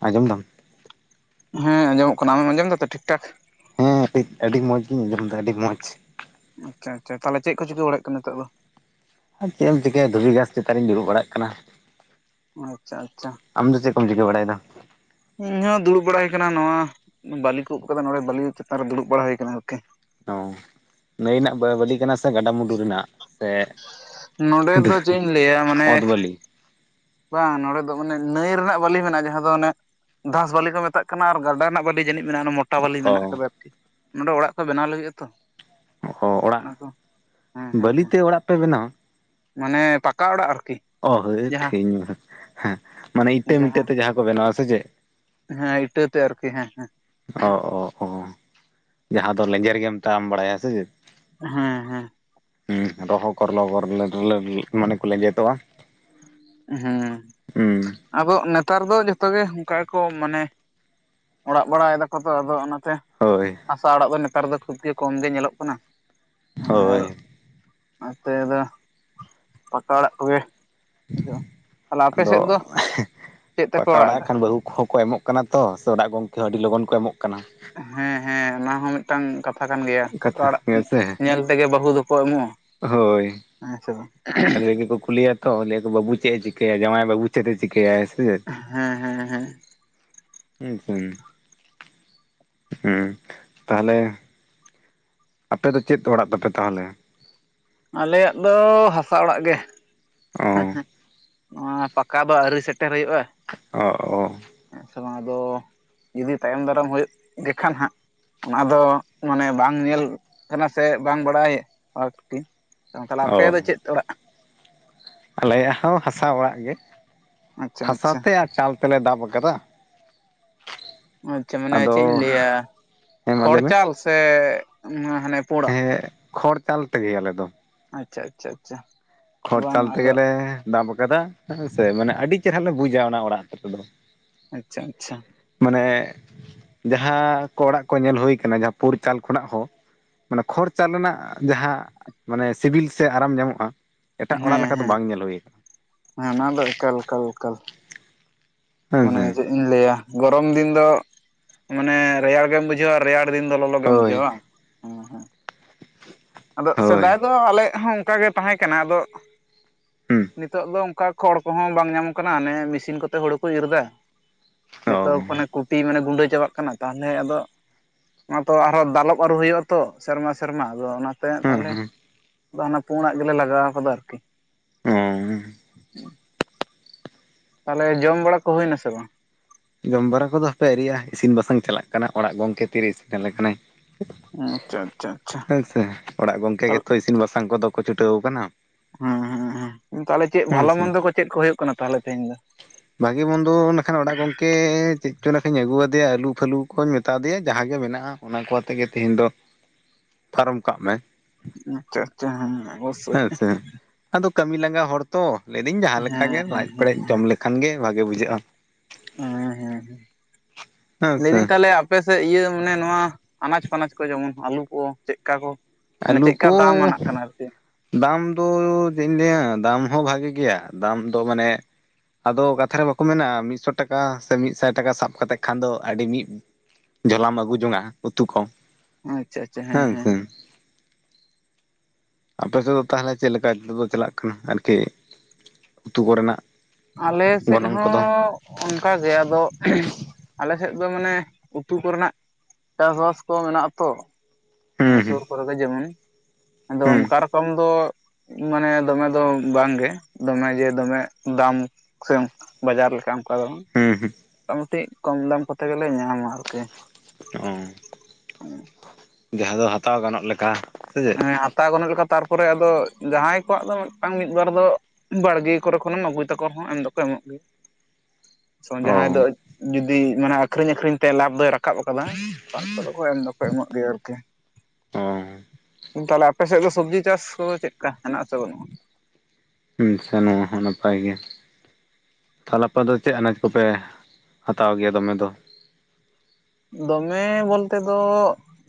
ᱟᱸᱡᱚᱢ ᱫᱟᱢ ᱦᱮᱸ ᱟᱸᱚᱢᱚᱜ ᱠᱟᱱᱟ ᱟᱢ ᱟᱸᱡᱚᱢ ᱫᱟ ᱛᱚ ᱴᱷᱤᱠ ᱴᱷᱟᱠ। ᱦᱮᱸ ᱴᱷᱤᱠ ᱟᱹᱰᱤ ᱢᱚᱸᱡᱽ ᱜᱤᱧ ᱟᱸᱡᱚᱢ ᱫᱟ ᱟᱹᱰᱤ ᱢᱚᱸᱡᱽ। ᱟᱪᱪᱷᱟ ᱟᱪᱪᱷᱟ ᱛᱟᱦᱟᱞᱮ ᱪᱮᱫ ᱠᱚ ᱪᱤᱠᱟᱹ ᱵᱟᱲᱟᱜ ᱠᱟᱱᱟ ᱱᱤᱛᱚᱜ ᱫᱚ? ᱟᱨ ᱪᱮᱫ ᱮᱢ ᱪᱤᱠᱟᱹᱭᱟ ᱫᱷᱩᱵᱤ ᱜᱷᱟᱥ ᱪᱮᱛᱟᱱ ᱨᱤᱧ ᱫᱩᱲᱩᱵ ᱵᱟᱲᱟᱜ ᱠᱟᱱᱟ। ᱟᱪᱪᱷᱟ ᱟᱪᱪᱷᱟ ᱟᱢ ᱫᱚ ᱪᱮᱫ ᱠᱚᱢ ᱪᱤᱠᱟᱹ ᱵᱟᱟᱭᱟ? ᱤᱧ ᱦᱚᱸ ᱫᱩᱲᱩᱵ ᱵᱟᱲᱟ ᱦᱩᱭ ᱟᱠᱟᱱᱟ ᱱᱚᱣᱟ ᱵᱟᱟᱹᱞᱤ ᱠᱚ ᱩᱵ ᱟᱠᱟᱫᱟ ᱱᱚᱰᱮ ᱵᱟᱟᱹᱞᱤ ᱪᱮᱛᱟᱱ ᱨᱮ ᱫᱩᱲᱩᱵ ᱵᱟᱲᱟ ᱦᱩᱭ ᱟᱠᱟᱱᱟ ᱟᱨᱠᱤ᱾ ᱚ ᱱᱟᱹᱭ ᱨᱮᱱᱟᱜ ᱵᱟᱹᱞᱤ ᱠᱟᱱᱟ ᱥᱮ ᱜᱟᱰᱟᱼᱢᱩᱰᱩ ᱨᱮᱱᱟᱜ? ᱥᱮ ᱱᱚᱰᱮ ᱫᱚ ᱪᱮᱫ ᱤᱧ ᱞᱟᱹᱭᱟ ᱢᱟᱱᱮ ᱚᱫᱽ ᱵᱟᱹᱞᱤ, ᱵᱟᱝ ᱱᱚᱲᱮ ᱫᱚ ᱢᱟᱱᱮ ᱱᱟᱹᱭ ᱨᱮᱱᱟᱜ ᱵᱟᱹᱞᱤ ᱢᱮᱱᱟᱜᱼᱟ ᱡᱟᱦᱟᱸ ᱫᱚ ᱚᱱᱮ ᱫᱷᱟᱥ ᱵᱟᱹᱞᱤ ᱠᱚ ᱢᱮᱛᱟᱜ ᱠᱟᱱᱟ ᱟᱨ ᱜᱟᱰᱟ ᱨᱮᱱᱟᱜ ᱵᱟᱹᱞᱤ ᱡᱟᱹᱱᱤᱡ ᱢᱮᱱᱟᱜᱼᱟ ᱢᱚᱴ ᱴᱟᱣᱟᱞᱤ ᱚ ᱢᱮᱱᱟᱜ ᱠᱟᱫᱟ ᱟᱨᱠᱤ ᱱᱚᱰᱮ ᱚᱲᱟᱜ ᱠᱚ ᱵᱮᱱᱟᱣ ᱞᱟᱹᱜᱤᱫ ᱟᱛᱚ ᱚ ᱚᱲᱟᱜ ᱚᱱᱟ ᱠᱚ ᱦᱮᱸ ᱦᱮᱸ ᱦᱮᱸ ᱵᱟᱹᱞᱤᱛᱮ ᱚᱲᱟᱜ ᱯᱮ ᱵᱮᱱᱟᱣᱟ! ᱢᱟᱱᱮ ᱯᱟᱠᱟ ᱚᱲᱟᱜ ᱟᱨᱠᱤ ᱚ ᱦᱟᱹᱴ ᱡᱟᱦᱟᱸ ᱤᱧ ᱦᱩᱸᱜ ᱦᱮᱸ ᱢᱟᱱᱮ ᱤᱴᱟᱹ ᱢᱤᱴᱟᱹ ᱛᱮ ᱡᱟᱦᱟᱸ ᱠᱚ ᱵᱮᱱᱟᱣᱟ ᱥᱮ ᱪᱮᱫ? ᱦᱮᱸ ᱤᱴᱟᱹᱛᱮ ᱟᱨᱠᱤ ᱦᱮᱸ ᱦᱮᱸ। ᱚ ᱚ ᱚ ᱡᱟᱦᱟᱸ ᱫᱚ ᱞᱮᱸᱡᱮᱨ ᱜᱮᱢ ᱛᱟᱢ ᱵᱟᱲᱟᱭᱟ ᱥᱮ ᱪᱮᱫ? ᱦᱮᱸ ᱦᱮᱸ ᱦᱩᱸ ᱨᱚᱦᱚ ᱠᱚᱨᱞᱚ [inaudible] ᱢᱟᱱᱮ ᱠᱚ ᱞᱮᱸᱡᱮᱫᱚᱜᱼᱟ᱾ ᱦᱮᱸ ᱦᱩᱸ ᱟᱫᱚ ᱱᱮᱛᱟᱨ ᱫᱚ ᱡᱚᱛᱚᱜ ᱜᱮ ᱚᱱᱠᱟ ᱜᱮᱠᱚ ᱢᱟᱱᱮ ᱚᱲᱟᱜ ᱵᱟᱲᱟᱭ ᱫᱟᱠᱚ ᱛᱚ ᱟᱫᱚ ᱚᱱᱟᱛᱮ ᱦᱳᱭ ᱦᱟᱥᱟ ᱚᱲᱟᱜ ᱫᱚ ᱱᱮᱛᱟᱨ ᱫᱚ ᱠᱷᱩᱵᱽ ᱜᱮ ᱠᱚᱢ ᱜᱮ ᱧᱮᱞᱚᱜ ᱠᱟᱱᱟ᱾ ᱟᱨ ᱦᱳᱭ ᱱᱚᱛᱮ ᱫᱚ ᱯᱟᱠᱟ‌ ᱚᱲᱟᱜ ᱠᱚ ᱜᱮ ᱟᱫᱚ ᱪᱮᱫ ᱛᱮᱯᱮ ᱯᱟᱠᱟ ᱚᱲᱟᱜ ᱮᱫᱟ ᱠᱷᱟᱱ ᱵᱟᱹᱦᱩ ᱠᱚᱦᱚᱸ ᱠᱚ ᱮᱢᱚᱜ ᱠᱟᱱᱟ ᱛᱚ ᱥᱮ ᱚᱲᱟᱜ ᱜᱚᱝᱠᱮ ᱦᱚᱸ ᱟᱹᱰᱤ ᱞᱚᱜᱚᱱ ᱠᱚ ᱮᱢᱚᱜ ᱠᱟᱱᱟ᱾ ᱦᱮᱸ ᱦᱮᱸ ᱚᱱᱟ ᱦᱚᱸ ᱢᱤᱫ ᱢᱤᱫᱴᱟᱝ ᱠᱟᱛᱷᱟ ᱠᱟᱱ ᱜᱮᱭᱟ ᱚᱠᱟ ᱠᱟᱛᱷᱟ ᱦᱮᱸ ᱥᱮ ᱧᱮᱞ ᱛᱮᱜᱮ ᱵᱟᱹᱦᱩ ᱫᱚᱠᱚ ᱮᱢᱚᱜᱼᱟ᱾ ᱦᱳᱭ ᱟᱪᱪᱷᱟ [inaudible] ᱠᱚᱠᱚ ᱠᱩᱞᱤᱭᱟ ᱛᱚ ᱞᱟᱹᱭᱟ ᱠᱚ ᱵᱟᱹᱵᱩ ᱪᱮᱫ ᱮ ᱪᱤᱠᱟᱹᱭᱟ ᱡᱟᱶᱟᱭ ᱵᱟᱹᱵᱩ ᱪᱮᱛ ᱮ ᱪᱤᱠᱟᱹᱭᱟ ᱥᱮ ᱪᱮᱫ ᱦᱮᱸ ᱦᱮᱸ ᱦᱮᱸ [unintelligible] ᱦᱩᱸ ᱛᱟᱦᱚᱞᱮ ᱟᱯᱮ ᱪᱮᱫ ᱚᱲᱟᱜ ᱛᱟᱯᱮ ᱛᱟᱦᱚᱞᱮ? ᱟᱞᱮᱭᱟᱜ ᱫᱚ ᱦᱟᱥᱟ ᱚᱲᱟᱜ ᱜᱮ ᱚ ᱦᱮᱸ ᱦᱮᱸ᱾ ᱱᱚᱣᱟ ᱯᱟᱠᱟ ᱵᱟ ᱟᱹᱣᱨᱤ ᱥᱮᱴᱮᱨ ᱦᱩᱭᱩᱜᱼᱟ᱾ ᱚ ᱚ ᱦᱮᱸ ᱥᱮ ᱵᱟᱝ ᱟᱫᱚ ᱡᱩᱫᱤ ᱛᱟᱭᱚᱢ ᱫᱟᱨᱟᱢ ᱦᱩᱭᱩᱜ ᱜᱮᱠᱷᱟᱱ ᱦᱟᱸᱜ, ᱚᱱᱟ ᱫᱚ ᱢᱟᱱᱮ ᱵᱟᱝ ᱧᱮᱞ ᱠᱟᱱᱟ ᱥᱮ ᱵᱟᱝ ᱵᱟᱲᱟᱭ ᱟᱨᱠᱤ ᱛᱟᱦᱚᱞᱮ ᱚ ᱟᱯᱮ ᱫᱚ ᱪᱮᱫ ᱚᱲᱟᱜ ᱟᱞᱮᱭᱟᱜ ᱦᱚᱸ ᱦᱟᱥᱟ ᱚᱲᱟᱜ ᱜᱮ ᱟᱪᱪᱷᱟ ᱦᱟᱥᱟ ᱟᱪᱪᱷᱟ ᱛᱮ ᱪᱟᱞ ᱛᱮᱞᱮ ᱫᱟᱵ ᱟᱠᱟᱫᱟ᱾ ᱟᱪᱪᱷᱟ ᱢᱟᱱᱮ ᱟᱫᱚ ᱪᱮᱫ ᱤᱧ ᱞᱟᱹᱭᱟ ᱦᱮᱸ ᱢᱟ ᱞᱟᱹᱭ ᱢᱮ ᱠᱷᱚᱲᱪᱟᱞ ᱥᱮ ᱦᱟᱱᱮ ᱯᱩᱲᱟᱜ ᱦᱮᱸ ᱠᱷᱚᱲ ᱪᱟᱞ ᱛᱮᱜᱮ ᱟᱞᱮ ᱫᱚ᱾ ᱟᱪᱪᱷᱟ ᱟᱪᱪᱷᱟ ᱟᱪᱪᱷᱟ ᱠᱷᱚᱨᱪᱟᱞ ᱵᱟᱝ ᱟᱫᱚ ᱛᱮᱜᱮᱞᱮ ᱫᱟᱢ ᱟᱠᱟᱫᱟ ᱦᱮᱸ ᱥᱮ ᱢᱟᱱᱮ ᱟᱹᱰᱤ ᱪᱮᱦᱨᱟ ᱞᱮ ᱵᱩᱡᱟ ᱚᱱᱟ ᱚᱲᱟᱜ ᱨᱮᱫᱚ᱾ ᱟᱪᱪᱷᱟ ᱟᱪᱪᱷᱟ ᱢᱟᱱᱮ ᱡᱟᱦᱟᱸ ᱠᱚ ᱚᱲᱟᱜ ᱠᱚ ᱧᱮᱞ ᱦᱩᱭ ᱠᱟᱱᱟ ᱡᱟᱦᱟᱸ ᱯᱩᱨ ᱪᱟᱞ ᱠᱷᱚᱱᱟᱜ ᱦᱚᱸ ᱢᱟᱱᱮ ᱠᱷᱚᱲᱪᱟᱞ ᱨᱮᱱᱟᱜ ᱡᱟᱦᱟᱸ ᱢᱟᱱᱮ ᱥᱤᱵᱤᱞ ᱥᱮ ᱟᱨᱟᱢ ᱧᱟᱢᱚᱜᱼᱟ ᱮᱴᱟᱜ ᱦᱮᱸ ᱚᱲᱟᱜ ᱞᱮᱠᱟ ᱫᱚ ᱦᱮᱸ ᱵᱟᱝ ᱧᱮᱞ ᱦᱩᱭ ᱠᱟᱱᱟ ᱦᱮᱸ ᱱᱚᱣᱟ ᱫᱚ ᱮᱠᱟᱞ ᱮᱠᱟᱞ ᱮᱠᱟᱞ ᱦᱮᱸ ᱢᱟᱱᱮ ᱦᱮᱸ ᱪᱮᱫ ᱤᱧ ᱞᱟᱹᱭᱟ ᱜᱚᱨᱚᱢ ᱫᱤᱱ ᱫᱚ ᱢᱟᱱᱮ ᱨᱮᱭᱟᱲ ᱜᱮᱢ ᱵᱩᱡᱷᱟᱹᱣᱼᱟ ᱨᱮᱭᱟᱲ ᱫᱤᱱ ᱫᱚ ᱞᱚᱞᱚ ᱜᱮᱢ ᱦᱳᱭ ᱵᱩᱡᱷᱟᱹᱣᱼᱟ ᱵᱟᱝ, ᱦᱮᱸ ᱦᱮᱸ ᱟᱫᱚ ᱥᱮᱫᱟᱭ ᱦᱳᱭ ᱫᱚ ᱟᱞᱮᱜ ᱦᱚᱸ ᱚᱝᱠᱟ ᱜᱮ ᱛᱟᱦᱮᱸ ᱠᱟᱱᱟ ᱟᱫᱚ ᱦᱩᱸ ᱱᱤᱛᱚᱜ ᱫᱚ ᱚᱝᱠᱟ ᱠᱷᱚᱲ ᱠᱚᱦᱚᱸ ᱵᱟᱝ ᱧᱟᱢᱚᱜ ᱠᱟᱱᱟ ᱚᱱᱮ ᱢᱮᱥᱤᱱ ᱠᱚᱛᱮ ᱦᱩᱲᱩ ᱠᱚ ᱤᱨᱻ ᱮᱫᱟ ᱚ ᱡᱚᱛᱚ ᱚᱱᱮ ᱦᱩᱸ ᱠᱚ ᱛᱤ ᱢᱟᱱᱮ ᱜᱩᱸᱰᱟᱹ ᱪᱟᱵᱟᱜ ᱠᱟᱱᱟ ᱛᱟᱦᱚᱞᱮ ᱟᱫᱚ ᱚᱱᱟ ᱛᱚ ᱟᱨ ᱦᱚᱸ ᱫᱟᱞᱚᱵ ᱟᱹᱨᱩ ᱦᱩᱭᱩᱜᱼᱟ ᱛᱚ ᱥᱮᱨᱢᱟ ᱥᱮᱨᱢᱟ ᱟᱵᱚ ᱚᱱᱟ [inaudible] ᱛᱟᱦᱚᱞᱮ ᱦᱩᱸ ᱚᱱᱟ ᱯᱩᱸᱰᱟᱜ ᱜᱮᱞᱮ ᱞᱟᱜᱟᱣ ᱠᱟᱫᱟ ᱟᱨᱠᱤ ᱦᱚᱸ ᱛᱟᱦᱚᱞᱮ ᱡᱚᱢ ᱵᱟᱲᱟ ᱠᱚ ᱦᱩᱭ ᱱᱟᱥᱮ ᱵᱟᱝ? ᱡᱚᱢ ᱵᱟᱲᱟ ᱠᱚᱫᱚ ᱦᱟᱯᱮ ᱟᱣᱨᱤᱭᱟᱜᱼᱟ ᱤᱥᱤᱱ ᱵᱟᱥᱟᱝ ᱪᱟᱞᱟᱜ ᱠᱟᱱᱟ ᱚᱲᱟᱜ ᱜᱚᱝᱠᱮ ᱛᱤᱨᱮ ᱤᱥᱤᱱ ᱟᱞᱮ ᱠᱟᱱᱟᱭ ᱟᱪᱪᱷᱟ ᱟᱪᱪᱷᱟ ᱟᱪᱪᱷᱟ ᱦᱮᱸᱥᱮ ᱚᱲᱟᱜ ᱜᱚᱝᱠᱮ ᱜᱮᱛᱚ ᱤᱥᱤᱱ ᱵᱟᱥᱟᱝ ᱠᱚᱫᱚ ᱠᱚ ᱪᱷᱩᱴᱟᱹᱣ ᱠᱟᱱᱟ᱾ ᱦᱮᱸ ᱦᱩᱸ ᱛᱟᱦᱞᱮ ᱪᱮᱫ ᱦᱮᱸ ᱵᱷᱟᱞᱚ ᱥᱮ ᱢᱚᱱᱫᱚ ᱠᱚ ᱪᱮᱫ ᱠᱚ ᱦᱩᱭᱩᱜ ᱠᱟᱱᱟ ᱛᱟᱦᱚᱞᱮ ᱛᱮᱦᱮᱧ ᱫᱚ? ᱵᱷᱟᱜᱤ ᱵᱚᱱᱫᱚ ᱞᱮᱠᱷᱟᱱ ᱚᱲᱟᱜ ᱜᱚᱝᱠᱮ ᱪᱮᱫ ᱪᱚ ᱞᱮᱠᱷᱟᱱᱧ ᱟᱹᱜᱩᱣᱟᱫᱮᱭᱟ ᱟᱹᱞᱩ ᱯᱷᱟᱹᱞᱩ ᱠᱚᱧ ᱢᱮᱛᱟ ᱫᱮᱭᱟ ᱡᱟᱦᱟᱸᱟᱜ ᱜᱮ ᱢᱮᱱᱟᱜᱼᱟ ᱚᱱᱟ ᱠᱚ ᱟᱛᱮᱜᱮ ᱛᱮᱦᱮᱧ ᱫᱚ ᱯᱷᱟᱨᱚᱢ ᱠᱟᱜ ᱢᱮ ᱟᱪᱪᱷᱟ ᱟᱪᱪᱷᱟ ᱦᱮᱸ ᱚᱵᱚᱥᱚᱭ ᱦᱮᱸ ᱥᱮ ᱟᱫᱚ ᱠᱟᱹᱢᱤ ᱞᱟᱸᱜᱟ ᱦᱚᱲ ᱛᱚ ᱞᱟᱹᱭᱫᱟᱹᱧ ᱡᱟᱦᱟᱸ ᱞᱮᱠᱟ ᱜᱮ ᱦᱮᱸ ᱦᱮᱸ ᱞᱟᱡ ᱯᱮᱨᱮᱡ ᱡᱚᱢ ᱞᱮᱠᱷᱟᱱ ᱜᱮ ᱵᱷᱟᱜᱮ ᱵᱩᱡᱷᱟᱹᱜᱼᱟ ᱦᱸ ᱦᱮᱸ ᱦᱮᱸ ᱦᱮᱸ ᱞᱟᱹᱭ ᱥᱮ ᱫᱟᱹᱧ ᱛᱟᱦᱞᱮ ᱟᱯᱮ ᱥᱮᱫ ᱤᱭᱟᱹ ᱢᱟᱱᱮ ᱱᱚᱶᱟ ᱟᱱᱟᱡᱽ ᱯᱟᱱᱟᱪ ᱠᱚ ᱡᱮᱢᱚᱱ ᱟᱹᱞᱩ ᱠᱚ ᱪᱮᱫᱠᱟ ᱠᱚ ᱟᱹᱞᱩ ᱪᱮᱫᱠᱟ ᱠᱚ ᱫᱟᱢ ᱟᱱᱟᱜ ᱠᱟᱱᱟ ᱟᱨᱠᱤ? ᱫᱟᱢ ᱫᱚ ᱪᱮᱫ ᱤᱧ ᱞᱟᱹᱭᱟ ᱫᱟᱢ ᱦᱚᱸ ᱵᱷᱟᱜᱤ ᱜᱮᱭᱟ ᱫᱟᱢ ᱫᱚ ᱢᱟᱱᱮ ᱟᱫᱚ ᱠᱟᱛᱷᱟ ᱨᱮ ᱵᱟᱠᱚ ᱢᱮᱱᱟ ᱢᱤᱫᱥᱚ ᱴᱟᱠᱟ ᱥᱮ ᱢᱤᱫ ᱥᱟᱭ ᱴᱟᱠᱟ ᱥᱟᱵ ᱠᱟᱛᱮ ᱠᱷᱟᱱ ᱫᱚ ᱟᱹᱰᱤ ᱢᱤᱫ ᱡᱷᱚᱞᱟᱢ ᱟᱹᱜᱩ ᱡᱚᱝᱼᱟ ᱩᱛᱩ ᱠᱚ ᱟᱪᱪᱷᱟ ᱟᱪᱪᱷᱟ ᱦᱮᱸ ᱦᱮᱸ ᱟᱯᱮ ᱥᱮᱫ ᱫᱚ ᱛᱟᱦᱚᱞᱮ ᱪᱮᱫ ᱞᱮᱠᱟ ᱱᱤᱛᱚᱜ ᱪᱟᱞᱟᱜ ᱠᱟᱱᱟ ᱟᱨᱠᱤ ᱩᱛᱩ ᱠᱚᱨᱮᱱᱟᱜ ᱟᱞᱮ ᱥᱮᱫ ᱜᱚᱱᱚᱝ ᱦᱚᱸ ᱠᱚᱫᱚ ᱚᱱᱠᱟ ᱜᱮ ᱟᱫᱚ ᱟᱞᱮ ᱥᱮᱫ ᱫᱚ ᱢᱟᱱᱮ ᱩᱛᱩ ᱠᱚᱨᱮᱱᱟᱜ ᱪᱟᱥ ᱵᱟᱥ ᱠᱚ ᱢᱮᱱᱟᱜᱼᱟ ᱛᱚ᱾ ᱦᱩᱸ ᱦᱩᱸ ᱥᱩᱨ ᱠᱚᱨᱮ ᱜᱮ ᱡᱮᱢᱚᱱ ᱟᱫᱚ ᱦᱩᱸ ᱚᱱᱠᱟ ᱨᱚᱠᱚᱢ ᱫᱚ ᱢᱟᱱᱮ ᱫᱚᱢᱮ ᱫᱚ ᱵᱟᱝᱜᱮ ᱫᱚᱢᱮ ᱡᱮ ᱫᱚᱢᱮ ᱫᱟᱢ ᱥᱮᱸ ᱵᱟᱡᱟᱨ ᱞᱮᱠᱟ ᱚᱱᱠᱟ ᱫᱚ ᱵᱟᱝ? ᱦᱩᱸ ᱦᱩᱸ ᱢᱳᱴᱟᱢᱩᱴᱤ ᱠᱚᱢ ᱫᱟᱢ ᱠᱚᱛᱮ ᱜᱮᱞᱮ ᱧᱟᱢᱟ ᱟᱨᱠᱤ ᱚ ᱡᱟᱦᱟᱸ ᱫᱚ ᱦᱟᱛᱟᱣ ᱜᱟᱱᱚᱜ ᱞᱮᱠᱟ ᱥᱮ ᱪᱮᱫ ᱦᱮᱸ ᱦᱟᱛᱟᱣ ᱜᱟᱱᱚᱜ ᱞᱮᱠᱟ ᱛᱟᱨᱯᱚᱨᱮ ᱟᱫᱚ ᱡᱟᱦᱟᱸᱭ ᱠᱚᱣᱟᱜ ᱫᱚ ᱢᱤᱫᱴᱟᱝ ᱢᱤᱫ ᱵᱟᱨ ᱫᱚ ᱵᱟᱲᱜᱮ ᱠᱚᱨᱮ ᱠᱷᱚᱱᱮᱢ ᱟᱹᱜᱩᱭ ᱛᱟᱠᱚ ᱨᱮᱦᱚᱸ ᱮᱢ ᱫᱚᱠᱚ ᱮᱢᱚᱜ ᱜᱮᱭᱟ᱾ ᱚ ᱡᱟᱦᱟᱸᱭ ᱫᱚ ᱡᱩᱫᱤ ᱢᱟᱱᱮ ᱟᱠᱷᱨᱤᱧ ᱟᱠᱷᱨᱤᱧ ᱛᱮ ᱞᱟᱵᱷ ᱫᱚᱭ ᱨᱟᱠᱟᱵ ᱟᱠᱟᱫᱟ [inaudible] ᱮᱢ ᱫᱚᱠᱚ ᱮᱢᱚᱜ ᱜᱮᱭᱟ ᱟᱨᱠᱤ ᱚ ᱛᱟᱦᱞᱮ ᱟᱯᱮ ᱥᱮᱫ ᱫᱚ ᱥᱚᱵᱽᱡᱤ ᱪᱟᱥ ᱠᱚ ᱫᱚ ᱪᱮᱫᱼᱠᱟ ᱦᱮᱱᱟᱜ ᱟᱥᱮ ᱵᱟᱹᱱᱩᱜᱼᱟ? ᱟᱪᱪᱷᱟ ᱱᱚᱣᱟ ᱦᱚᱸ ᱱᱟᱯᱟᱭ ᱜᱮ ᱾ ᱛᱷᱟᱦᱞᱮ ᱟᱯᱮ ᱫᱚ ᱪᱮᱫ ᱟᱱᱟᱡᱽ ᱠᱚᱯᱮ ᱦᱟᱛᱟᱣ ᱜᱮᱭᱟ ᱫᱚᱢᱮ ᱫᱚ? ᱫᱚᱢᱮ ᱵᱚᱞ ᱛᱮ ᱫᱚ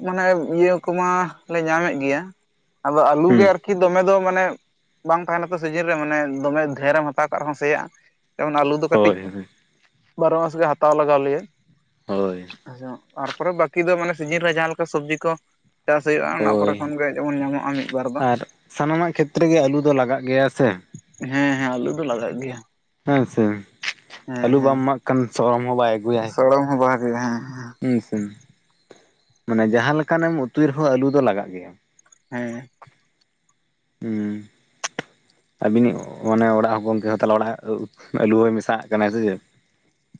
ᱢᱟᱱᱮ ᱤᱭᱟᱹ ᱠᱚᱢᱟ ᱞᱮ ᱧᱟᱢᱮᱫ ᱜᱮᱭᱟ ᱾ ᱟᱫᱚ ᱟᱞᱩ ᱜᱮ ᱦᱩᱸ ᱟᱨᱠᱤ ᱫᱚᱢᱮ ᱫᱚ ᱢᱟᱱᱮ ᱾ ᱵᱟᱝ ᱛᱟᱦᱮᱸᱱᱟ ᱛᱚ ᱥᱤᱡᱤᱱ ᱨᱮ ᱢᱟᱱᱮ ᱫᱚᱢᱮ ᱫᱷᱮᱨᱮᱢ ᱦᱟᱛᱟᱣ ᱠᱟᱜ ᱨᱮᱦᱚᱸ ᱥᱮᱭᱟᱜᱼᱟ ᱡᱮᱢᱚᱱ ᱟᱞᱩ ᱫᱚ ᱠᱟᱹᱴᱤᱡ ᱦᱳᱭ ᱵᱟᱨᱚ ᱢᱟᱥ ᱜᱮ ᱦᱟᱛᱟᱣ ᱞᱟᱜᱟᱣ ᱞᱮᱭᱟ ᱾ ᱦᱳᱭ ᱾ [inaudible] ᱛᱟᱨᱯᱚᱨᱮ ᱵᱟᱠᱤ ᱫᱚ ᱢᱟᱱᱮ ᱥᱤᱡᱤᱱ ᱨᱮ ᱡᱟᱦᱟᱸ ᱞᱮᱠᱟ ᱥᱚᱵᱡᱤ ᱠᱚ ᱾ ᱪᱟᱥ ᱦᱩᱭᱩᱜᱼᱟ ᱚᱱᱟ ᱠᱚᱨᱮ ᱦᱳᱭ ᱠᱷᱚᱱ ᱜᱮ ᱡᱮᱢᱚᱱ ᱧᱟᱢᱚᱜᱼᱟ ᱢᱤᱫ ᱵᱟᱨ ᱫᱚ ᱾ ᱟᱨ ᱥᱟᱱᱟᱢᱟᱜ ᱠᱷᱮᱛᱨᱮ ᱜᱮ ᱟᱹᱞᱩ ᱫᱚ ᱞᱟᱜᱟᱜ ᱜᱮᱭᱟ ᱥᱮ? ᱦᱮᱸ ᱦᱮᱸ ᱟᱞᱩ ᱫᱚ ᱞᱟᱜᱟᱜ ᱜᱮᱭᱟ᱾ ᱦᱮᱸ ᱥᱮ ᱦᱮᱸ ᱟᱞᱩ ᱵᱟᱢ ᱮᱢᱟᱜ ᱠᱷᱟᱱ ᱥᱚᱨᱚᱢ ᱦᱚᱸ ᱵᱟᱭ ᱟᱜᱩᱭᱟᱭ᱾ ᱪᱚᱲᱚᱢ ᱦᱚᱸ ᱵ [unintelligible] ᱦᱮᱸ ᱦᱮᱸᱥᱮ ᱢᱟᱱᱮ ᱡᱟᱦᱟᱸᱠᱟᱱᱟ ᱮᱢ ᱩᱛᱩᱭ ᱨᱮᱦᱚᱸ ᱟᱞᱩ ᱫᱚ ᱞᱟᱜᱟᱜ ᱜᱮᱭᱟ᱾ ᱦᱮᱸ ᱦᱩᱸ ᱟᱹᱵᱤᱱᱤᱡ ᱚᱱᱮ ᱚᱲᱟᱜ ᱦᱚᱸ ᱜᱚᱝᱠᱮ ᱦᱚᱸ ᱛᱟᱞᱮ ᱚᱲᱟᱜ ᱟᱹᱞᱩ ᱦᱚᱭ ᱢᱮᱥᱟᱜ ᱠᱟᱱᱟᱭ ᱥᱮ ᱪᱮ?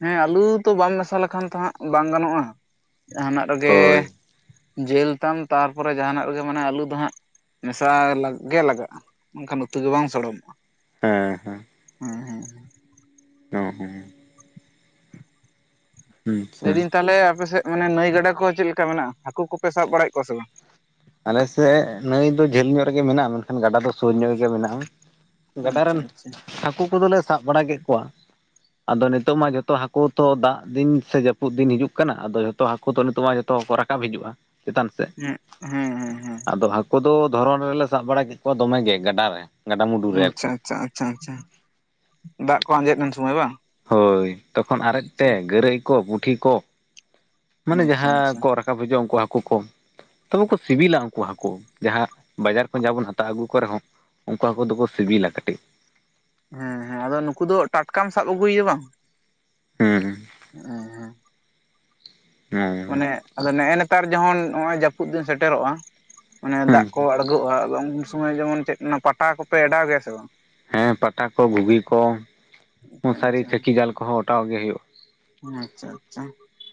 ᱦᱮᱸ ᱟᱞᱩ ᱛᱚ ᱵᱟᱢ ᱢᱮᱥᱟ ᱞᱮᱠᱷᱟᱱ ᱛᱚ ᱦᱟᱸᱜ ᱵᱟᱝ ᱜᱟᱱᱚᱜᱼᱟ ᱡᱟᱦᱟᱱᱟᱜ ᱨᱮᱜᱮ ᱦᱳᱭ ᱡᱤᱞ ᱛᱟᱢ ᱛᱟᱨᱯᱚᱨᱮ ᱡᱟᱦᱟᱱᱟᱜ ᱨᱮᱜᱮ ᱢᱟᱱᱮ ᱟᱞᱩ ᱫᱚ ᱦᱟᱸᱜ ᱢᱮᱥᱟ ᱜᱮ ᱞᱟᱜᱟᱜᱼᱟ᱾ ᱢᱮᱱᱠᱷᱟᱱ ᱩᱛᱩ ᱫᱚ ᱵᱟᱝ ᱥᱚᱲᱚᱢᱚᱜᱼᱟ᱾ ᱦᱮᱸ ᱦᱮᱸ ᱦᱩᱸ ᱦᱩᱸ [inaudible] [inaudible] ᱦᱩᱸ ᱦᱩᱸ ᱟᱪᱪᱷᱟ ᱞᱟᱹᱭᱫᱟᱹᱧ ᱛᱟᱦᱚᱞᱮ ᱟᱯᱮᱥᱮᱫ ᱢᱟᱱᱮ ᱱᱟᱹᱭ ᱜᱟᱰᱟ ᱠᱚ ᱪᱮᱫ ᱞᱮᱠᱟ ᱢᱮᱱᱟᱜᱼᱟ? ᱦᱟᱹᱠᱩ ᱠᱚᱯᱮ ᱥᱟᱵ ᱵᱟᱲᱟᱭᱮᱜ ᱠᱚᱣᱟ ᱥᱮ ᱵᱟᱝ? ᱟᱞᱮᱥᱮᱫ ᱱᱟᱹᱭ ᱫᱚ ᱡᱷᱟᱹᱞ ᱧᱚᱜ ᱨᱮᱜᱮ ᱢᱮᱱᱟᱜᱼᱟ ᱢᱮᱱᱠᱷᱟᱱ ᱜᱟᱰᱟ ᱫᱚ ᱥᱩᱨ ᱧᱚᱜ ᱨᱮᱜᱮ ᱢᱮᱱᱟᱜᱼᱟ᱾ ᱜᱟᱰᱟ ᱟᱪᱪᱷᱟ ᱨᱮᱱ ᱟᱪᱪᱷᱟ ᱦᱟᱹᱠᱩ ᱠᱚᱫᱚᱞᱮ ᱥᱟᱵ ᱵᱟᱲᱟ ᱠᱮᱫ ᱠᱚᱣᱟ᱾ ᱟᱫᱚ ᱱᱤᱛᱚᱜ ᱢᱟ ᱡᱷᱚᱛᱚ ᱦᱟᱹᱠᱩ ᱛᱚ ᱫᱟᱜ ᱫᱤᱱ ᱥᱮ ᱡᱟᱹᱯᱩᱫ ᱫᱤᱱ ᱦᱤᱡᱩᱜ ᱠᱟᱱᱟ ᱟᱫᱚ ᱡᱷᱚᱛᱚ ᱦᱟᱠᱩ ᱟᱠ [unintelligible] ᱱᱤᱛᱚᱜ ᱢᱟ ᱡᱚᱛᱚ ᱠᱚ ᱨᱟᱠᱟᱵ ᱦᱤᱡᱩᱜᱼᱟ ᱪᱮᱛᱟᱱ ᱥᱮ ᱦᱮᱸ ᱦᱮᱸ ᱦᱮᱸ ᱦᱮᱸ᱾ ᱟᱫᱚ ᱦᱟᱹᱠᱩ ᱫᱚ ᱫᱷᱚᱨᱚᱱ ᱨᱮᱞᱮ ᱥᱟᱵ ᱵᱟᱲᱟ ᱠᱮᱫ ᱠᱚᱣᱟ ᱫᱚᱢᱮᱜᱮ ᱜᱟᱰᱟ ᱨᱮ ᱜᱟᱰᱟᱼᱢᱩᱰᱩ ᱨᱮ ᱟᱪᱪᱷᱟ ᱟᱨᱠᱤ ᱟᱪᱪᱷᱟ ᱟᱪᱪᱷᱟ ᱟᱪᱪᱷᱟ ᱫᱟᱜ ᱠᱚ ᱟᱸᱡᱮᱫ ᱞᱮᱱ ᱩᱱ ᱥᱚᱢᱟᱹᱭ ᱵᱟᱝ? ᱦᱳᱭ ᱛᱚᱠᱷᱚᱱ ᱟᱨᱮᱡ ᱟᱪᱪᱷᱟ ᱛᱮ ᱜᱟᱹᱨᱟᱹᱭ ᱠᱚ ᱯᱩᱴᱷᱤ ᱠᱚ ᱢᱟᱱᱮ ᱟᱪᱪᱷᱟ ᱡᱟᱦᱟᱸ ᱟᱪᱪᱷᱟ ᱠᱚ ᱨᱟᱵ ᱴᱟᱠᱟ [unintelligible] ᱵᱩᱡᱟᱹᱜᱼᱟ ᱩᱱᱠᱩ ᱦᱟᱹᱠᱩ ᱠᱚ ᱛᱚᱵᱮ ᱠᱚ ᱥᱤᱵᱤᱞᱟ ᱩᱱᱠᱩ ᱦᱟᱠᱩ ᱡᱟᱦᱟᱸ ᱵᱟᱡᱟᱨ ᱠᱷᱚᱱ ᱡᱟ ᱵᱚᱱ ᱦᱟᱛᱟᱣ ᱟᱹᱜᱩ ᱠᱚ ᱨᱮᱦᱚᱸ᱾ ᱩᱱᱠᱩ ᱦᱟᱠᱩ ᱫᱚᱠᱚ ᱥᱤᱵᱤᱞᱟ ᱠᱟᱹᱴᱤᱡ᱾ ᱦᱮᱸ ᱦᱮᱸ ᱟᱫᱚ ᱱᱩᱠᱩ ᱫᱚ ᱴᱟᱴᱠᱟᱢ ᱥᱟᱵ ᱟᱹᱜᱩᱭᱭᱟ ᱵᱟᱝ? ᱦᱩᱸ ᱩᱦᱩᱸ ᱦᱩᱸ ᱦᱩᱸ ᱢᱟᱱᱮ ᱟᱫᱚ ᱱᱮᱜᱼᱮ ᱱᱮᱛᱟᱨ ᱡᱮᱢᱚᱱ ᱱᱚᱜ ᱚᱭ ᱡᱟᱹᱯᱩᱫ ᱫᱤᱱ ᱥᱮᱴᱮᱨᱚᱜᱼᱟ ᱢᱟᱱᱮ ᱦᱩᱸ ᱫᱟᱜ ᱠᱚ ᱟ ᱟᱹᱚᱜᱼᱟ [unintelligible] ᱟᱫᱚ ᱩᱱ ᱥᱚᱢᱚᱭ ᱡᱮᱢᱚᱱ ᱪᱮᱫ ᱚᱱᱟ ᱯᱟᱴᱟ ᱠᱚᱯᱮ ᱮᱰᱟᱣ ᱜᱮᱭᱟ ᱥᱮ ᱵᱟᱝ? ᱦᱮᱸ ᱯᱟᱴᱟ ᱠᱚ ᱵᱷᱩᱜᱤ ᱠᱚ ᱟᱪᱪᱷᱟ ᱢᱚᱥᱟᱨᱤ ᱪᱟᱹᱠᱤ ᱡᱟᱞ ᱠᱚᱦᱚᱸ ᱚᱴᱟᱣ ᱜᱮ ᱦᱩᱭᱩᱜᱼᱟ᱾ ᱟᱪᱪᱷᱟ ᱟᱪᱪᱷᱟ